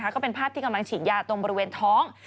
ก็เป็นภาพที่กำลังฉีดยาตรงบริเวณท้อง